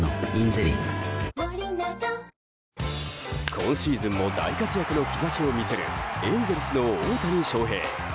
今シーズンも大活躍の兆しを見せるエンゼルスの大谷翔平。